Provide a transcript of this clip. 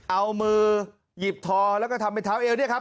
เอามือหยิบทอแล้วก็ทำเป็นเท้าเอวเนี่ยครับ